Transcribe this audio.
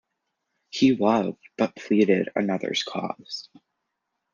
He loved, but pleaded another's cause.